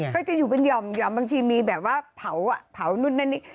เขาจะอยู่ตอนนี้อย่าบางทีมีแบบว่าเผานุ่นนี่